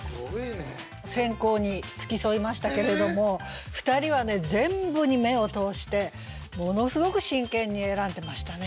選考に付き添いましたけれども２人は全部に目を通してものすごく真剣に選んでましたね。